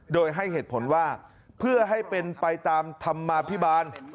โดยให้เหตุผลว่าเพื่อให้เป็นไปตามธรรมาภิบาล